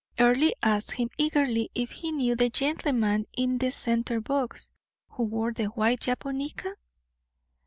Earle asked him eagerly if he knew the gentleman in the center box, who wore the white japonica?